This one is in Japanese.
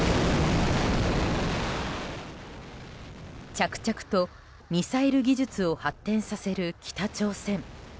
着々とミサイル技術を発展させる北朝鮮。